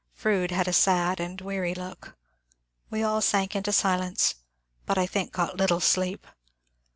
Froude had a sad and weaiy look. We all sank into silence, but I think got little sleep.